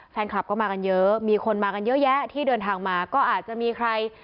แฟนคลับก็มากันเยอะมีคนมากันเยอะแยะที่เดินทางมาก็อาจจะมีใคร